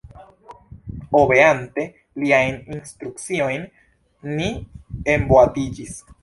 Obeante liajn instrukciojn, ni enboatiĝis.